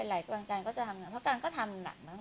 เชิญด้วยล่วงหน้าได้เลยค่ะเจ็ดสิงหา